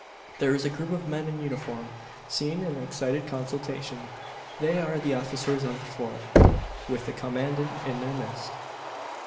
There is a group of men in uniform, seen in excited consultation. They are the officers of the Fort, with the commandant in their midst.